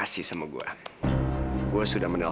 turgas dan kemas